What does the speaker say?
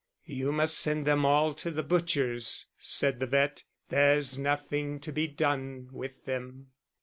"You must send them all to the butcher's," said the vet.; "there's nothing to be done with them."